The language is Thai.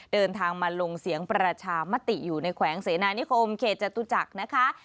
เดินทางมาลงเสียงประชามติอยู่ในแขวงเสนานิคมเขตจตุจักรนะคะ